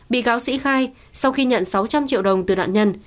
bị cáo sĩ khai sau khi nhận sáu trăm linh triệu đồng từ nạn nhân